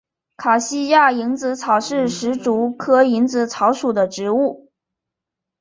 卡西亚蝇子草是石竹科蝇子草属的植物。